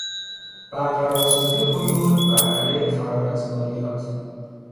برقرارسازی قیود بر علیه فرار از مالیات